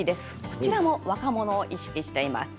こちらも若者を意識しています。